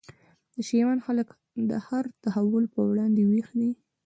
د شېوان خلک د هر تحول پر وړاندي ویښ دي